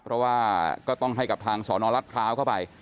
เพราะว่าก็ต้องให้กับทางสนรัฐพร้าวเข้าไป